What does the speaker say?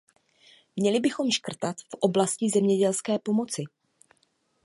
Měli bychom škrtat v oblasti zemědělské pomoci?